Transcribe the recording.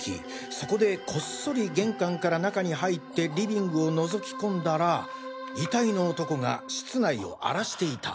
そこでこっそり玄関から中に入ってリビングを覗き込んだら遺体の男が室内を荒らしていた。